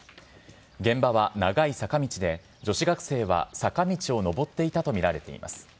現場は長い坂道で、女子学生は、坂道を上っていたと見られています。